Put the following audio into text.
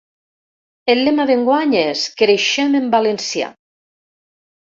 El lema d’enguany és ‘Creixem en valencià’.